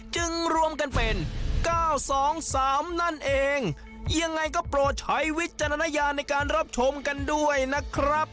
รวมกันเป็น๙๒๓นั่นเองยังไงก็โปรดใช้วิจารณญาณในการรับชมกันด้วยนะครับ